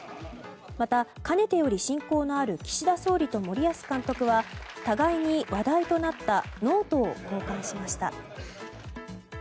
また、かねてより親交のある岸田総理と森保監督は互いに話題となったノートを交換しました。